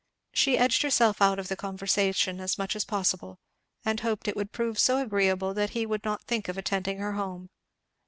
She edged herself out of the conversation as much as possible, and hoped it would prove so agreeable that he would not think of attending her home.